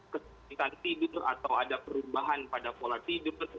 kesulitan tidur atau ada perubahan pada pola tidur